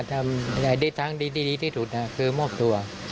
ถ้าได้ทางดีที่ดีที่ถูกนะคือมอบตัว